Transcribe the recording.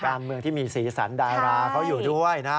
การเมืองที่มีสีสันดาราเขาอยู่ด้วยนะ